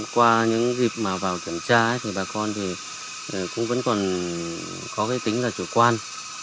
qua những dịp mà vào kiểm tra thì bà con thì cũng vẫn còn có cái tính là chủ quan